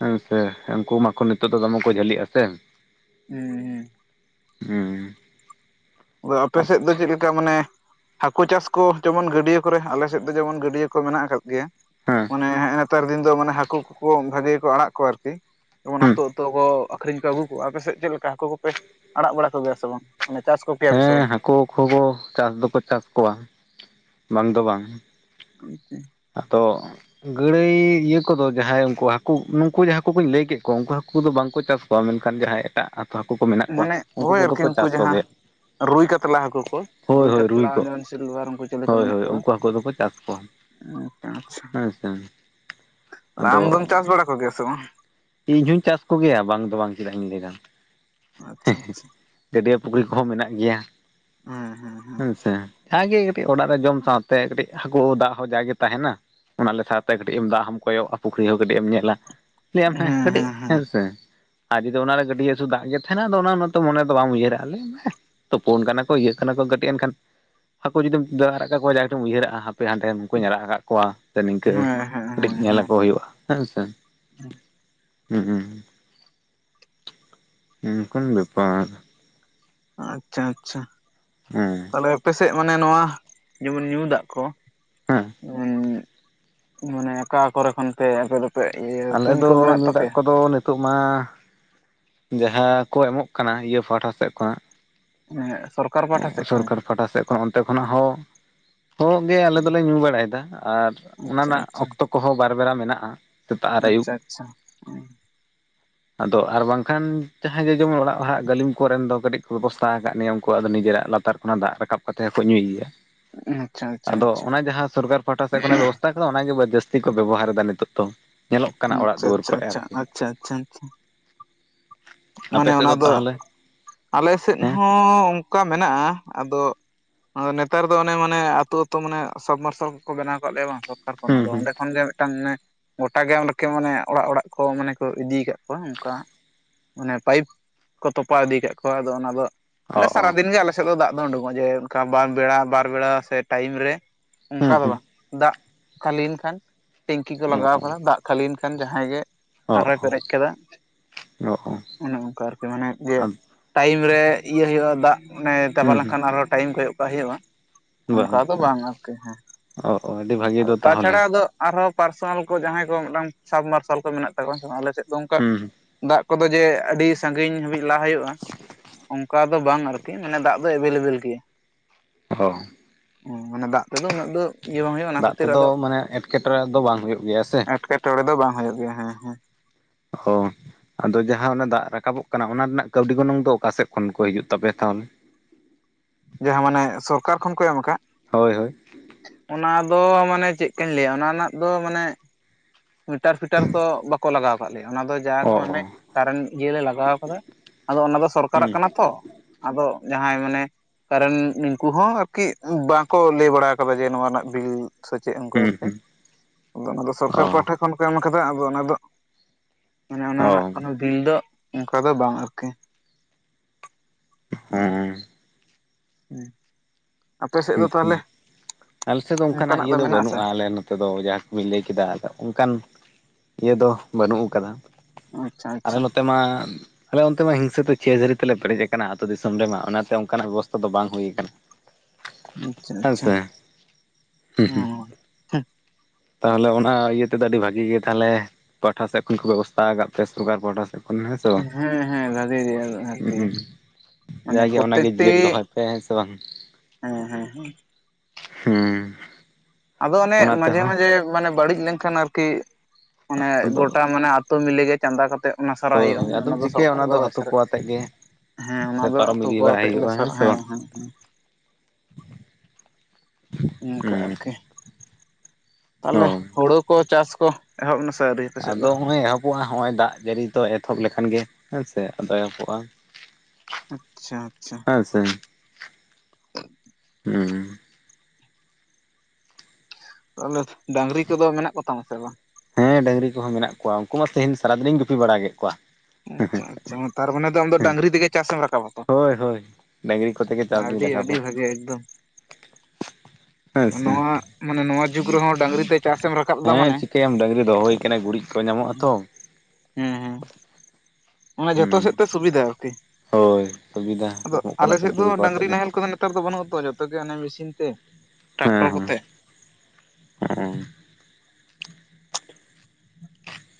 ᱦᱮᱸ ᱥᱮ ᱩᱱᱠᱩ ᱢᱟᱠᱚ ᱱᱤᱛᱚᱜ ᱫᱚ ᱫᱚᱢᱮ ᱠᱚ ᱡᱷᱟᱹᱞᱤᱜᱼᱟ ᱥᱮ᱾ ᱦᱩᱸ ᱦᱩᱸ ᱦᱮᱸ ᱟᱫᱚ ᱟᱯ ᱥᱮᱫ ᱫᱚ ᱪᱮᱫ ᱞᱮᱠᱟ ᱢᱟᱱᱮ ᱦᱟᱹᱠᱩ ᱪᱟᱥ ᱠᱚ ᱡᱮᱢᱚᱱ ᱜᱟᱹᱰᱭᱟᱹ ᱠᱚᱨᱮ ᱟᱞᱮᱥᱮᱫ ᱫᱚ ᱡᱮᱢᱚᱱ ᱜᱟᱹᱰᱭᱟᱹ ᱠᱚ ᱢᱮᱱᱟᱜ ᱟᱠᱟᱫ ᱜᱮᱭᱟ ᱦᱮᱸ ᱢᱟᱱᱮ ᱱᱮᱛᱟᱨ ᱫᱤᱱ ᱫᱚ ᱢᱟᱱᱮ ᱦᱟᱹᱠᱩ ᱠᱚᱠᱚ ᱵᱷᱟᱜᱤ ᱜᱮᱠᱚ ᱟᱲᱟᱜ ᱠᱚᱣᱟ ᱟᱨᱠᱤ? ᱡᱮᱢᱚᱱ ᱦᱮᱸ ᱟᱹᱛᱩ ᱟᱹᱛᱩ ᱠᱚ ᱟᱹᱠᱷᱨᱤᱧ ᱠᱚ ᱟᱹᱜᱩ ᱠᱚᱣᱟ ᱟᱯᱮᱥᱮᱫ ᱪᱮᱫ ᱞᱮᱠᱟ ᱦᱟᱹᱠᱩ ᱠᱚᱯᱮ ᱟᱲᱟᱜ ᱵᱟᱲᱟ ᱠᱚᱜᱮᱭᱟ ᱥᱮ ᱵᱟᱝ ᱟᱱᱮ ᱪᱟᱥ ᱠᱚᱜᱮᱭᱟ ᱯᱮ ᱥᱮ ᱵᱟᱝ? ᱦᱟᱹᱠᱚ ᱠᱚᱦᱳ ᱪᱟᱥ ᱫᱚᱠᱚ ᱪᱟᱥ ᱠᱚᱣᱟ ᱵᱟᱝ ᱫᱚ ᱵᱟᱝ᱾ ᱦᱳᱛ [unintelligible] ᱟᱫᱚ ᱜᱟᱹᱲᱟᱹᱭ ᱤᱭᱟᱹ ᱠᱚᱫᱚ ᱡᱟᱦᱟᱸᱭ ᱩᱱᱠᱩ ᱦᱟᱹᱠᱩ ᱱᱩᱠᱩ ᱡᱟᱦᱟᱸ ᱦᱟᱹᱠᱩ ᱠᱩᱧ ᱞᱟᱹᱭ ᱠᱮᱫ ᱠᱚᱣᱟ ᱩᱱᱠᱩ ᱦᱟᱹᱠᱩ ᱫᱚ ᱵᱟᱝᱠᱚ ᱪᱟᱥ ᱠᱚᱣᱟ ᱢᱮᱱᱠᱷᱟᱱ ᱡᱟᱦᱟᱸᱭ ᱮᱴᱟᱜ ᱦᱟᱹᱠᱩ ᱠᱚ ᱢᱮᱱᱟᱜ ᱠᱚᱣᱟ ᱢᱟᱱᱮ ᱩᱱᱠᱩ ᱦᱳᱭ ᱠᱚᱫᱚ ᱟᱨᱠᱤ ᱠᱚ ᱩᱱᱠᱩ ᱪᱟᱥ ᱡᱟᱦᱟᱸ ᱠᱚᱜᱮᱭᱟ ᱨᱩᱭ ᱠᱟᱛᱞᱟ ᱦᱟᱹᱠᱩ ᱠᱚ ᱦᱳᱭ ᱨᱩᱭ ᱦᱳᱭ ᱠᱟᱛᱞᱟ ᱠᱚ ᱡᱮᱢᱚᱱ ᱥᱤᱞᱵᱷᱟᱨ ᱩᱱᱠᱩ ᱪᱟᱹᱞᱮ ᱠᱚ ᱦᱳᱭ ᱢᱮᱱᱟᱜ ᱦᱳᱭ ᱠᱚ ᱫᱚ ᱩᱱᱠᱩ ᱦᱟᱹᱠᱩ ᱫᱚᱠᱚ ᱪᱟᱥ ᱠᱚᱣᱟ ᱟᱪᱪᱷᱟ ᱟᱪᱪᱷᱟ ᱦᱮᱸ ᱥᱮ ᱟᱢᱫᱚᱢ ᱟᱫᱚ ᱪᱟᱥ ᱵᱟᱲᱟ ᱠᱚᱜᱮᱭᱟ ᱥᱮ ᱵᱟᱝ? ᱤᱧ ᱦᱚᱩᱧ ᱪᱟᱥ ᱠᱚᱜᱮᱭᱟ ᱵᱟᱝ ᱫᱚ ᱵᱟᱝ ᱪᱮᱫᱟᱜ ᱤᱧ ᱞᱟᱹᱭᱫᱟ ᱦᱮᱸ ᱟᱪᱪᱷᱟ ᱦᱮᱸ ᱟᱪᱪᱷᱟ ᱜᱟᱹᱰᱭᱟᱹ ᱯᱩᱠᱷᱨᱤ ᱠᱚᱦᱚᱸ ᱢᱮᱱᱟᱜ ᱜᱮᱭᱟ ᱦᱮᱸ ᱦᱮᱸ ᱦᱮᱸᱥᱮ ᱡᱟᱸᱦᱟᱜᱮ ᱠᱟᱹᱴᱤᱡ ᱚᱲᱟᱜ ᱨᱮ ᱡᱚᱢ ᱥᱟᱶᱛᱮ ᱠᱟᱹᱴᱤᱡ ᱦᱟᱹᱠᱩ ᱫᱟᱜ ᱦᱚᱸ ᱡᱟᱭᱜᱮ ᱛᱟᱦᱮᱱᱟ᱾ ᱚᱱᱟ ᱞᱮᱠᱟᱛᱮ ᱠᱟᱹᱴᱤᱡ ᱮᱢ ᱫᱟᱜ ᱦᱚᱸᱢ ᱠᱚᱭᱚᱜᱼᱟ ᱯᱩᱠᱷᱨᱤ ᱦᱚᱸ ᱠᱟᱹᱴᱤᱡ ᱮᱢ ᱧᱮᱞᱟ ᱞᱟᱹᱭᱟᱢ ᱦᱮᱸ ᱠᱟᱹᱴᱤᱡ ᱦᱮᱸᱥᱮ᱾ ᱟᱨ ᱡᱩᱫᱤ ᱚᱱᱟᱨᱮ ᱜᱟᱹᱰᱤᱭᱟ ᱥᱩᱫᱽ ᱫᱟᱜ ᱜᱮ ᱛᱟᱦᱮᱱᱟ ᱟᱫᱚ ᱚᱱᱟᱫᱚ ᱩᱱᱟ. ᱜ ᱫᱚ ᱢᱚᱱᱮ ᱨᱮ ᱫᱚ ᱵᱟᱢ ᱩᱭᱦᱟᱹᱨᱟ ᱛᱩᱯᱩᱱ ᱠᱟᱱᱟ ᱠᱚ ᱤᱭᱟᱹᱜ ᱠᱟᱱᱟ ᱠᱚ ᱠᱟᱹᱴᱤᱡ ᱮᱱᱠᱷᱟᱱ ᱦᱟᱹᱠᱩ ᱡᱩᱫᱤᱢ [unintelligible] ᱟᱠᱟᱠᱚᱣᱟ ᱰᱟᱭᱨᱮᱠᱴᱮᱢ ᱩᱭᱦᱟᱹᱨᱟᱜᱼᱟ ᱦᱟᱯᱮ ᱦᱟᱱᱰᱮ ᱱᱩᱱᱠᱩᱧ ᱟᱲᱟᱜ ᱟᱠᱟᱫ ᱠᱚᱣᱟ᱾ ᱥᱮ ᱱᱤᱝᱠᱟᱹ ᱦᱮᱸ ᱠᱟᱹᱴᱤᱡ ᱦᱮᱸ ᱦᱮᱸ ᱧᱮᱞ ᱦᱮᱸ ᱟᱠᱚ ᱦᱩᱭᱩᱜᱼᱟ ᱦᱮᱸ ᱥᱮ [inaudible] ᱦᱩᱸ ᱦᱩᱸ ᱚᱝᱠᱟᱱ ᱵᱮᱯᱟᱨ ᱟᱪᱪᱷᱟ ᱟᱪᱪᱷᱟ᱾ ᱦᱮᱸ ᱛᱟᱦᱞᱮ ᱟᱯᱮᱥᱮᱫ ᱢᱟᱱᱮ ᱱᱚᱣᱟ ᱡᱮᱢᱚᱱ ᱧᱩ ᱫᱟᱜ ᱠᱚ ᱦᱮᱸ ᱢᱟ. ᱱᱮ ᱟᱠᱟ ᱠᱚᱨᱮ ᱠᱷᱚᱱᱯᱮ ᱟᱯᱮᱫᱚ ᱟᱞᱮ ᱫᱚ ᱧᱩ ᱫᱟᱜ ᱠᱚᱫᱚ ᱱᱤᱛ ᱛᱚ ᱢᱟ ᱡᱟᱦᱟᱸ ᱠᱚ ᱮᱢᱚᱜ ᱠᱟᱱᱟ ᱤᱭᱟᱹ ᱯᱟᱦᱴᱟ ᱥᱮᱫ ᱠᱷᱚᱱᱟᱜ ᱥᱚᱨᱠᱟᱨ ᱯᱟᱦᱴᱟ ᱥᱮᱫ ᱠᱷᱚᱱ ᱥᱚᱨᱠᱟᱨ ᱯᱟᱦᱴᱟ ᱥᱮᱫ ᱠᱷᱚᱱ ᱚᱱᱛᱮ ᱠᱷᱚᱱᱟᱜ ᱦᱚᱸ ᱦᱚᱜ ᱜᱮ ᱟᱞᱮ ᱫᱚᱞᱮ ᱧᱩ ᱵᱟᱲᱟᱭᱮᱫᱟ ᱟᱨ ᱚᱱᱟ ᱟᱪᱪᱷᱟ ᱨᱮᱱᱟᱜ ᱟᱪᱪᱷᱟ ᱚᱠᱛᱚ ᱠᱚᱦᱚᱸ ᱵᱟᱨ ᱵᱮᱨᱟ ᱢᱮᱱᱟᱜᱼᱟ᱾ ᱥᱮᱛᱟᱜ ᱟᱨ ᱟᱹᱭᱩᱵ ᱟᱪᱪᱷᱟ ᱟᱪᱪᱷᱟ [inaudible] ᱟᱫᱚ ᱟᱨ ᱵᱟᱝᱠᱷᱟᱱ ᱡᱟᱦᱟᱸᱭ ᱡᱮ ᱡᱮᱢᱚᱱ ᱚᱲᱟᱜ ᱞᱟᱦᱟᱜ ᱜᱟᱹᱞᱤᱢ ᱠᱚᱨᱮᱱ ᱫᱚ ᱠᱟᱹᱴᱤᱡ ᱠᱚ ᱵᱮᱵᱚᱥᱛᱷᱟ ᱟᱠᱟᱫ ᱱᱤᱭᱚᱢ ᱠᱚ ᱩᱱᱠᱩᱟᱜ ᱱᱤᱡᱮᱨᱟᱜ ᱞᱟᱛᱟᱨ ᱠᱷᱚᱱᱟᱜ ᱫᱟᱜ ᱨᱟᱠᱟᱵ ᱠᱟᱛᱮ ᱦᱚᱸ ᱠᱚ ᱧᱩᱭ ᱜᱤᱭᱟ ᱟᱪᱪᱷᱟ ᱟᱫᱚ ᱟᱪᱪᱷᱟ ᱟᱪᱪᱷᱟ ᱟᱪᱪᱷᱟ ᱚᱱᱟ ᱡᱟᱦᱟᱸ ᱥᱚᱨᱠᱟᱨ ᱯᱟᱦᱴᱟ ᱥᱮᱫ ᱠᱷᱚᱱᱟᱜ ᱵᱮᱵᱚᱥ ᱛᱟ ᱠᱟᱫᱟ ᱚᱱᱟᱜᱮ ᱡᱟᱹᱥᱛᱤ ᱠᱚ ᱵᱮᱵᱚᱦᱟᱨᱮᱫᱟ ᱱᱤᱛᱚᱜ ᱫᱚ ᱧᱮᱞᱚᱜ ᱠᱟᱱᱟ ᱚᱲᱟᱜ ᱫᱩᱣᱟᱹᱨ ᱠᱷᱚᱮᱨ ᱾ ᱟᱪᱷᱟ ᱟᱪᱷᱟ ᱟᱪᱷᱟ ᱟᱯᱮ ᱢᱟᱱᱮ ᱥᱮᱫ ᱚᱱᱟ ᱫᱚ ᱛᱟᱦᱚᱞᱮ ᱟᱞᱮ ᱥᱮᱫ ᱦᱮᱸ ᱦᱚᱸ ᱚᱱᱠᱟ ᱢᱮᱱᱟᱜᱼᱟ ᱟᱫᱚ ᱟᱫᱚ ᱱᱮᱛᱟᱨ ᱫᱚ ᱚᱱᱮ ᱢᱟᱱᱮ ᱟᱹᱛᱩ ᱟᱹᱛᱩ ᱢᱟᱱᱮ ᱥᱟᱵᱢᱟᱨᱥᱟᱞ ᱠᱚᱠᱚ ᱵᱮᱱᱟᱳ ᱠᱟᱫ ᱞᱮᱭᱟ ᱵᱟᱝ ᱥᱚᱨᱠᱟᱨ ᱠᱷᱚᱱ ᱦᱩᱸ ᱟᱫᱚ ᱦᱩᱸ ᱚᱸᱰᱮ ᱠᱷᱚᱱᱜᱮ ᱢᱤᱫᱴᱟᱝ ᱚᱱᱮ ᱜᱚᱴᱟ ᱜᱮᱢ ᱨᱮᱠ ᱢᱟᱱᱮ ᱚᱲᱟᱜ ᱚᱲᱟᱜ ᱠᱚ ᱢᱟᱱᱮ ᱠᱚ ᱤᱫᱤᱭᱟᱠᱟᱫ ᱠᱟᱜᱠᱚᱣᱟ ᱚᱝᱠᱟ ᱢᱚᱱᱮ ᱯᱟᱭᱤᱯ ᱠᱚ ᱛᱚᱯᱟᱣ ᱤᱫᱤ ᱠᱟᱫ ᱠᱚᱣᱟ ᱟᱫᱚ ᱚᱱᱟ ᱫᱚ ᱚ ᱢᱟᱱᱮ ᱚ ᱥᱟᱨᱟᱫᱤᱱ ᱜᱮ ᱟᱞᱮ ᱥᱮᱫ ᱫᱚ ᱫᱟᱜ ᱫᱚ ᱳᱰᱳᱝᱚᱜᱼᱟ ᱡᱮ ᱚᱱᱠᱟ ᱵᱟᱨ ᱵᱮᱲᱟ ᱵᱟᱨ ᱵᱮᱲᱟ ᱥᱮ ᱴᱟᱭᱤᱢ ᱨᱮ ᱚᱱᱠᱟ ᱦᱩᱸ ᱫᱚ ᱦᱩᱸ ᱵᱟᱝ ᱫᱟᱜ ᱠᱷᱟᱞᱤ ᱮᱱ ᱠᱷᱟᱱ ᱴᱮᱝᱠᱤ ᱠᱚ ᱚ ᱞᱟᱜᱟᱣ ᱚ ᱠᱟᱫᱟ ᱫᱟᱜ ᱠᱷᱟᱹᱞᱤᱭᱮᱱ ᱠᱷᱟᱱ ᱡᱟᱦᱟᱸᱭ ᱜᱮ ᱚ ᱟᱨᱦᱚᱭ ᱯᱮᱨᱮᱡ ᱠᱮᱫᱟ ᱚ ᱚ ᱚᱱᱮ ᱚᱱᱠᱟ ᱟᱨᱠᱤ ᱢᱟᱱᱮ ᱡᱮ ᱚ ᱴᱟᱭᱤᱢ ᱨᱮ ᱤᱭᱟᱹ ᱦᱳᱭᱳᱜᱼᱟ ᱫᱟᱜ ᱚᱱᱮ ᱪᱟᱵᱟ ᱦᱩᱸ ᱦᱩᱸ ᱞᱮᱱᱠᱷᱟᱱ ᱟᱨᱦᱚᱸ ᱴᱟᱭᱤᱢ ᱠᱚᱭᱚᱜ ᱠᱟᱭ ᱦᱩᱭ ᱟᱢᱟ ᱾ ᱚᱱᱠᱟ ᱫᱚ ᱵᱟᱝ ᱟᱨᱠᱤ ᱦᱮᱸ ᱚ ᱚ ᱟᱹᱰᱤ [inaudible] ᱵᱷᱟᱹᱜᱤ ᱟᱫᱚ ᱫᱚ ᱛᱟᱦᱚᱞᱮ ᱛᱟᱪᱷᱟᱲᱟ ᱟᱫᱚ ᱟᱨᱦᱚᱸ ᱯᱟᱨᱥᱚᱱᱟᱞ ᱠᱚ ᱡᱟᱦᱟᱸᱭ ᱠᱚ ᱢᱤᱫᱴᱟᱝ ᱥᱟᱵᱢᱟᱨᱥᱟᱞ ᱠᱚ ᱢᱮᱱᱟᱜ ᱛᱟᱠᱚᱣᱟ ᱥᱮ ᱟᱞᱮ ᱥᱮᱫ ᱫᱚ ᱚᱱᱠᱟ ᱦᱩᱸ ᱫᱟᱜ ᱠᱚᱫᱚ ᱡᱮ ᱟᱹᱰᱤ ᱥᱟᱺᱜᱤᱧ ᱦᱟᱹᱵᱤᱡ ᱞᱟ ᱦᱳᱭᱳᱜᱼᱟ ᱚᱱᱠᱟ ᱫᱚ ᱵᱟᱝ ᱟᱨᱠᱤ ᱢᱟᱱᱮ ᱫᱟᱜ ᱫᱚ ᱮᱵᱮᱞᱮᱵᱮᱞ ᱜᱮᱭᱟ ᱚᱦᱚ ᱚᱸ ᱢᱟᱱᱮ ᱫᱟᱜ ᱛᱮᱫᱚ ᱩᱱᱟᱹᱜ ᱫᱚ ᱤᱭᱟᱹ ᱵᱟᱝ ᱦᱩᱭᱩᱜᱼᱟ ᱚᱱᱟ ᱫᱟᱜ ᱠᱷᱟᱹᱛᱤᱨ ᱛᱮᱫᱚ ᱟᱫᱚ ᱢᱟᱱᱮ ᱮᱸᱴᱠᱮᱴᱚᱬᱮ ᱫᱚ ᱵᱟᱝ ᱦᱳᱭᱳᱜ ᱜᱮᱭᱟ ᱥᱮ ᱮᱴᱠᱚᱬᱮ ᱫᱚ ᱵᱟᱝ ᱦᱳᱭᱳᱜ ᱜᱮᱭᱟ ᱦᱮᱸ ᱦᱮᱸ ᱚᱦᱚ ᱟᱫᱚ ᱡᱟᱦᱟᱸ ᱚᱱᱟ ᱫᱟᱜ ᱨᱟᱠᱟᱵᱚᱜ ᱠᱟᱱᱟ ᱚᱱᱟ ᱨᱮᱱᱟᱜ ᱠᱟᱹᱣᱰᱤ ᱜᱚᱱᱚᱝ ᱫᱚ ᱚᱠᱟᱥᱮᱫ ᱠᱷᱚᱱ ᱠᱚ ᱦᱤᱡᱩᱜ ᱛᱟᱯᱮᱭᱟ ᱛᱟᱦᱚᱞᱮ ᱡᱟᱦᱟᱸ ᱢᱟᱱᱮ ᱥᱚᱨᱠᱟᱨ ᱠᱷᱚᱱ ᱠᱚ ᱮᱢ ᱟᱠᱟᱜ ᱾ ᱦᱳᱭ ᱦᱳᱭ ᱚᱱᱟ ᱫᱚ ᱢᱟᱱᱮ ᱪᱮᱫ ᱞᱮᱠᱟᱧ ᱞᱟᱹᱭᱟ ᱚᱱᱟ ᱨᱮᱱᱟᱜ ᱫᱚ ᱢᱟᱱᱮ ᱢᱤᱴᱟᱨ ᱯᱷᱤᱴᱟᱨ ᱛᱚ ᱵᱟᱠᱚ ᱞᱟᱜᱟᱣ ᱠᱟᱜ ᱞᱮᱭᱟ ᱚᱱᱟ ᱫᱚ ᱡᱟᱜᱮ ᱚ ᱚ ᱢᱟᱱᱮ ᱠᱟᱨᱮᱱ ᱤᱭᱟᱹ ᱞᱮ ᱞᱟᱜᱟᱣ ᱠᱟᱫᱟ ᱟᱫᱚ ᱚᱱᱟ ᱫᱚ ᱥᱚᱨᱠᱟᱨᱟᱜ ᱦᱩᱸ ᱠᱟᱱᱟ ᱛᱚ ᱟᱫᱚ ᱡᱟᱦᱟᱸᱭ ᱢᱟᱱᱮ ᱠᱟᱨᱚᱱ ᱩᱱᱠᱩ ᱦᱚᱸ ᱟᱨᱠᱤ ᱵᱟᱝᱠᱚ ᱞᱟᱹᱭ ᱵᱟᱲᱟ ᱟᱠᱟᱫᱟ ᱡᱮ ᱱᱚᱣᱟ ᱨᱮᱱᱟᱜ ᱵᱤᱞ ᱥᱮᱪᱮᱫ ᱩᱱᱠᱩ ᱦᱩᱸ ᱟᱨᱠᱤ ᱦᱩᱸ ᱟᱫᱚ ᱚᱱᱟ ᱫᱚ ᱚ ᱥᱚᱨᱠᱟᱨ ᱯᱟᱦᱴᱟ ᱠᱷᱚᱱ ᱠᱚ ᱮᱢ ᱠᱟᱫᱟ ᱟᱫᱚ ᱚᱱᱟ ᱫᱚ ᱢᱟᱱᱮ ᱚᱱᱟ ᱚ ᱨᱮᱱᱟᱜ ᱠᱚᱱᱚ ᱤᱞ ᱫᱚ ᱚᱱᱠᱟ ᱫᱚ ᱵᱟᱝ ᱟᱨᱠᱤ ᱦᱚᱸ [inaudible] ᱟᱯᱮ ᱥᱮᱫ ᱦᱩᱸ ᱫᱚ ᱛᱟᱦᱚᱞᱮ ᱦᱩᱸ ᱟᱞᱮᱥᱮᱫ ᱫᱚ ᱚᱱᱠᱟᱱᱟᱜ ᱤᱭᱟᱹ ᱫᱚ ᱵᱟᱹᱱᱩᱜᱼᱟ ᱟᱞᱮ ᱱᱚᱛᱮ ᱱᱚᱛᱮ ᱫᱚ ᱡᱟᱦᱟᱸ ᱠᱚᱵᱤᱱ ᱞᱟᱹᱭ ᱠᱮᱫᱟ ᱟᱫᱚ ᱚᱱᱠᱟᱱ ᱤᱭᱟᱹ ᱫᱚ ᱵᱟᱹᱱᱩᱜ ᱟᱠᱟᱫᱟ ᱟᱪᱪᱷᱟ ᱟᱞᱮ ᱟᱪᱪᱷᱟ ᱱᱚᱛᱮ ᱢᱟ ᱟᱞᱮ ᱚᱱᱛᱮ ᱢᱟ ᱦᱤᱝᱥᱟᱹ ᱛᱮ ᱪᱷᱤᱭᱟᱹᱡᱟᱹᱨᱤ ᱛᱮᱞᱮ ᱯᱮᱨᱮᱡ ᱟᱠᱟᱱᱟ ᱟ ᱟᱹᱛᱩ ᱫᱤᱥᱚᱢ ᱨᱮᱢᱟ, ᱚᱱᱟᱛᱮ ᱚᱱᱠᱟᱱᱟᱜ ᱵᱮᱵᱚᱥᱛᱷᱟ ᱫᱚ ᱵᱟᱝ ᱦᱩᱭ ᱟᱠᱟᱱᱟ ᱟᱪᱪᱷᱟ ᱦᱮᱸ ᱟᱪᱪᱷᱟ ᱥᱮ ᱦᱩᱸ ᱦᱩᱸ ᱛᱟᱦᱚᱞᱮ ᱚᱱᱟ ᱤᱭᱟᱹ ᱛᱮᱫᱚ ᱟᱹᱰᱤ ᱵᱷᱟᱜᱤ ᱜᱮ ᱛᱟᱦᱚᱞᱮ ᱯᱟᱦᱴᱟᱮᱫ ᱠᱷᱚᱱ ᱠᱚ ᱵᱮᱵᱚᱥᱛᱷᱟ ᱟᱠᱟᱫ ᱛᱟᱭ ᱥᱚᱨᱠᱟᱨ ᱯᱟᱦᱴᱟ ᱥᱮᱫ ᱠᱷᱚᱱ ᱦᱮᱸ ᱥᱮ ᱵᱟᱝ? ᱦᱮᱸ ᱦᱮᱸ ᱵᱷᱟᱜᱮ ᱜᱮᱭᱟ ᱟᱨᱠᱤ ᱦᱩᱸ ᱢᱟᱱᱮ ᱡᱟᱜᱮ ᱚᱱᱟᱜᱮ ᱯᱨᱚᱛᱮᱠᱴᱤ ᱡᱤᱭᱟᱹᱲ ᱫᱚᱦᱚᱭ ᱯᱮ ᱦᱮᱸ ᱥᱮ ᱵᱟᱝ ᱦᱮᱸ ᱦᱮᱸ ᱦᱮᱸ ᱦᱩᱸ ᱟᱫᱚ ᱚᱱᱮ ᱚᱱᱟ ᱢᱟᱡᱷᱮ ᱛᱮᱦᱚᱸ ᱢᱟᱡᱷᱮ ᱢᱟᱱᱮ ᱵᱟᱹᱲᱤᱡ ᱞᱮᱱᱠᱷᱟᱱ ᱟᱨᱠᱤ ᱢᱟᱱᱮ ᱟᱫᱚ ᱜᱚᱴᱟ ᱢᱟᱱᱮ ᱟᱛᱳ ᱢᱤᱞᱮ ᱜᱮ ᱪᱟᱸᱫᱟ ᱠᱟᱛᱮᱫ ᱚᱱᱟ ᱥᱟᱨᱟ ᱦᱳᱭ ᱦᱳᱭ ᱦᱩᱭᱩᱜᱼᱟ ᱚᱱᱟ ᱟᱫᱚᱢ ᱫᱚ ᱪᱤᱠᱟᱹᱭᱟ ᱥᱚᱨᱠᱟᱨ ᱚᱱᱟ ᱫᱚ ᱵᱟᱭ ᱟᱛᱳ ᱠᱚ ᱥᱟᱨᱟᱣᱟ ᱟᱛᱮᱫ ᱜᱮ ᱦᱮᱸ ᱚᱱᱟ ᱥᱮ ᱫᱚ ᱯᱟᱨᱚᱢ ᱟᱛᱳ ᱤᱫᱤ ᱠᱚ ᱵᱟᱲᱟᱭ ᱟᱛᱮᱜ ᱜᱮᱞᱮ ᱦᱩᱭᱩᱜᱼᱟ ᱥᱟᱨᱟᱣᱟ ᱥᱮ ᱦᱮᱸ ᱵᱟᱝ? ᱦᱮᱸ ᱚᱱᱠᱟ ᱟᱨᱠᱤ ᱛᱟᱦᱚᱞᱮ ᱦᱩᱸ ᱦᱩᱲᱩ ᱠᱚ ᱪᱟᱥ ᱠᱚ ᱮᱦᱚᱵ ᱱᱟᱥᱤ ᱟᱫᱚ ᱱᱚᱜᱼᱚᱭ ᱮᱦᱚᱵ ᱦᱚᱸᱜᱼᱚᱭ ᱫᱟᱜ ᱡᱟᱹᱲᱤ ᱫᱚ ᱮᱛᱚᱦᱚᱵ ᱞᱮᱠᱷᱟᱱ ᱜᱮ ᱦᱮᱸ ᱥᱮ ᱟᱫᱚ ᱮᱦᱚᱵᱚᱜᱼᱟ ᱟᱪᱪᱷᱟ ᱟᱪᱪᱷᱟ ᱦᱮᱸ ᱥᱮ [inaudible] ᱦᱩᱸ ᱛᱟᱦᱚᱞᱮ ᱰᱟᱝᱨᱤ ᱠᱚᱫᱚ ᱢᱮᱱᱟᱜ ᱠᱚ ᱛᱟᱢᱟ ᱥᱮ ᱵᱟᱝ? ᱦᱮᱸ ᱰᱟᱹᱝᱨᱤ ᱠᱚᱦᱚᱸ ᱢᱮᱱᱟᱜ ᱠᱚᱣᱟ ᱩᱱᱠᱩ ᱛᱮᱦᱮᱧ ᱥᱟᱨᱟ ᱫᱤᱱᱤᱧ ᱜᱩᱯᱤ ᱵᱟᱲᱟ ᱠᱮᱫ ᱠᱚᱣᱟ ᱟᱪᱪᱷᱟ ᱟᱪᱪᱷᱟ ᱛᱟᱨ ᱢᱟᱱᱮ ᱫᱚ ᱟᱢ ᱫᱚ ᱦᱮᱸ ᱰᱟᱝᱨᱤ ᱛᱮᱜᱮ ᱪᱟᱥᱮ ᱮᱢ ᱨᱟᱠᱟᱵᱟ ᱦᱳᱭ ᱦᱳᱭ ᱰᱟᱹᱝᱨᱤ ᱠᱚᱛᱮ ᱜᱮ ᱪᱟᱥ ᱫᱩᱧ ᱶᱟᱹᱰᱤ ᱟᱹᱰᱤ ᱨᱟᱠᱟᱵᱟ ᱵᱷᱟᱜᱮ ᱮᱠᱫᱚᱢ ᱦᱮᱸᱥᱮ ᱱᱚᱣᱟ ᱢᱟᱱᱮ ᱱᱚᱣᱟ ᱡᱩᱜᱽ ᱨᱮᱦᱚᱸ ᱰᱟᱹᱝᱨᱤ ᱛᱮ ᱪᱟᱥᱮᱢ ᱨᱟᱠᱟᱵ ᱫᱟ ᱢᱟᱱᱮ ᱦᱮᱸ ᱪᱤᱠᱟᱹᱭᱟᱢ ᱰᱟᱹᱟᱝᱨᱤ ᱫᱚᱦ ᱦᱩᱭᱠ ᱜᱩᱨᱤᱡ ᱠᱚ ᱧᱟᱢᱚᱜᱼᱟ ᱛᱚ ᱦᱮᱸ ᱦᱮᱸ ᱚᱱᱟᱮ ᱡᱷᱚᱛᱚ ᱥᱮᱫ ᱦᱩᱸ ᱛᱮ ᱥᱩᱵᱤᱫᱷᱟ ᱟᱨᱠᱤ ᱦᱳᱭ ᱥᱩᱵᱤᱫᱷᱟ ᱟᱫᱚ ᱧᱟᱢᱚᱜ ᱠᱟᱱᱟ ᱟᱞᱮ ᱥᱮ ᱥᱮᱫ ᱫᱚ ᱰᱟᱹᱝᱨᱤ ᱠᱚ ᱟᱛᱮᱫ ᱰᱟᱝᱨᱤ ᱫᱚ ᱱᱟᱦᱮᱞ ᱠᱚᱫᱚ ᱴᱟᱠᱴᱟᱨ ᱫᱚ ᱵᱟᱹᱱᱩᱜ ᱟ ᱛᱚᱣᱟ ᱡᱚᱛᱚ ᱜᱮ ᱚᱱᱮ ᱢᱮᱥᱤᱱ ᱛᱮ ᱴᱨᱟᱠᱴᱚᱨ ᱠᱚᱛᱮ ᱚ [inaudible]